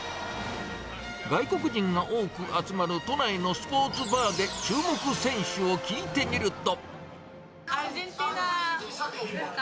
外国人が多く集まる都内のスポーツバーで注目選手を聞いてみると。